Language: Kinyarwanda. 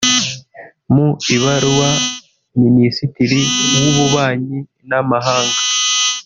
Mu ibaruwa Ministiri w’Ububanyi n’Amahanga